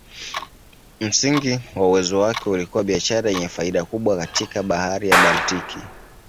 Msingi wa uwezo wake ulikuwa biashara yenye faida kubwa katika Bahari ya Baltiki.